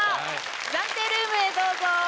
暫定ルームへどうぞ。